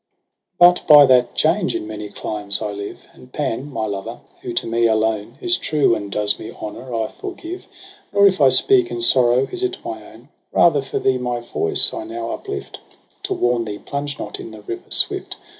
' But by that change in many climes I live j And Pan, my lover, who to me alone Is true and does me honour, I forgive — Nor if I speak in sorrow is't my own : Rather for thee my voice I now uplift To warn thee plunge not in the river swift.